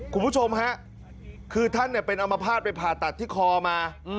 คุณผู้ชมฮะคือท่านเป็นอมภาษณ์ไปผ่าตัดที่คอมา